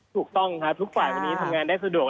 ถูกต้องครับทุกฝ่ายวันนี้ทำงานได้สะดวก